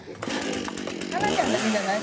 葉埜ちゃんだけじゃない？